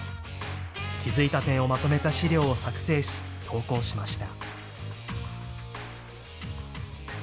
気付いた点をまとめた資料を作成し投稿しました。